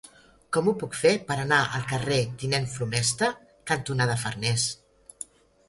Com ho puc fer per anar al carrer Tinent Flomesta cantonada Farnés?